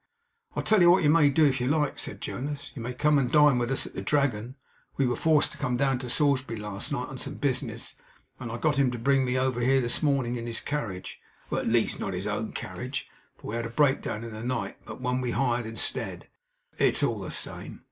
'I'll tell you what you may do, if you like,' said Jonas; 'you may come and dine with us at the Dragon. We were forced to come down to Salisbury last night, on some business, and I got him to bring me over here this morning, in his carriage; at least, not his own carriage, for we had a breakdown in the night, but one we hired instead; it's all the same.